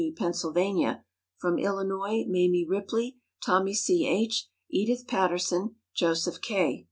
Pennsylvania; from Illinois Mamie Ripley, Tommy C. H., Edith Patterson, Joseph K.